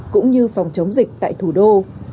cũng như phòng chống dịch tại thủ đô